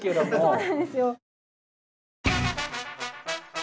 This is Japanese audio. そうなんですよ。